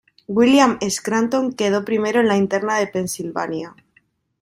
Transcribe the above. William Scranton quedó primero en la interna de Pensilvania.